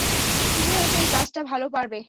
তুমি হয়তো এই কাজটা ভালো পারবে।